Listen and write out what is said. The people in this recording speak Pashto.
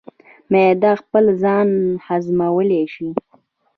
معده خپل ځان هضمولی شي.